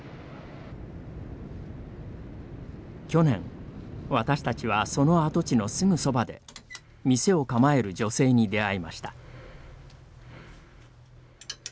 去年、私たちはその跡地のすぐそばで店を構える女性に出会いました。